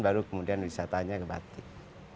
baru kemudian wisatanya ke batik